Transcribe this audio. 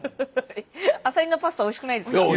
アサリのパスタおいしくないですか？